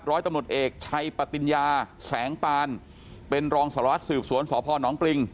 ร้อยตำรวจเอกชัยปติญญาแสงปานเป็นรองสารวัสสืบสวนสพนปริง